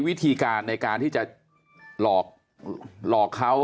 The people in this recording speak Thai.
เพราะอาชญากรเขาต้องปล่อยเงิน